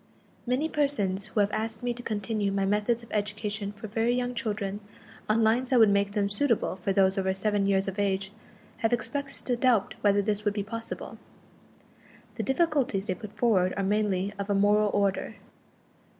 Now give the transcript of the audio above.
Many persons who have asked me to continue my methods of education for very young children on lines that would make them suitable for those over seven years of age, have expressed a doubt whether this would be possible. The difficulties they put forward are mainly of a moral order.